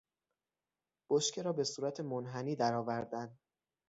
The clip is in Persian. بشکه را به صورت منحنی درآوردن